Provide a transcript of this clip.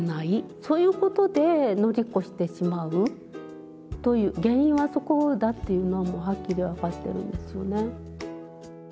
そういうことで乗り越してしまうという原因はそこだっていうのはもうはっきり分かってるんですよね。